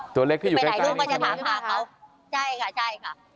ตัวเล็กที่อยู่ใกล้ใกล้ในนี้ค่ะใช่ค่ะใช่ค่ะ